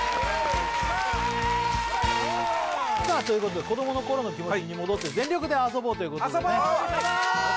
さあということで子どもの頃の気持ちに戻って全力で遊ぼうということでね遊ぼう！